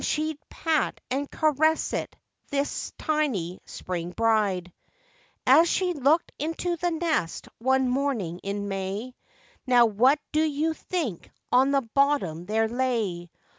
she'd pat and caress it, this tiny spring bride; LIFE WAVES 47 As she looked into the nest one morning in May, Now what do you think on the bottom there lay?